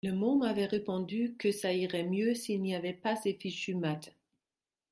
Le môme avait répondu que ça irait mieux s’il n’y avait pas ces fichues maths